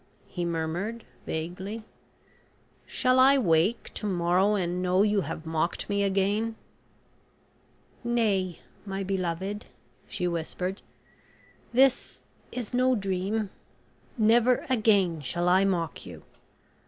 he murmured, vaguely; "shall I wake to morrow and know you have mocked me again?" "Nay, my beloved," she whispered; "this is no dream... Never again shall I mock you.